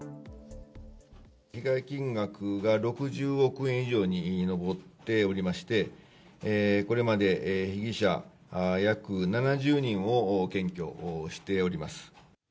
被害金額が６０億円以上に上っておりまして、これまで被疑者約７０人を検挙しております。